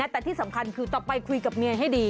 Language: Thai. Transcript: แต่ที่สำคัญคือต่อไปคุยกับเมียให้ดี